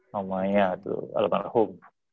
namanya tuh alman rahum